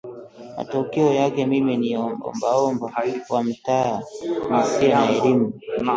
Matokeo yake mimi ni ombaomba wa mtaa nisiye na elimu